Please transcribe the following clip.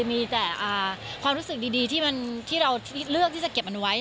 มีแต่ความรู้สึกดีที่เราเลือกที่จะเก็บมันไว้